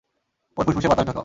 ওর ফুসফুসে বাতাস ঢোকাও।